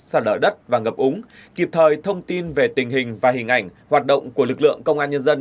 sạt lở đất và ngập úng kịp thời thông tin về tình hình và hình ảnh hoạt động của lực lượng công an nhân dân